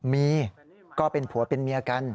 มีก็เป็นผัวเป็นเมียกัน